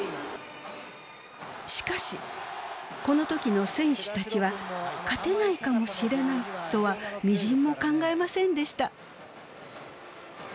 しかしこの時の選手たちは「勝てないかもしれない」とはみじんも考えませんでした。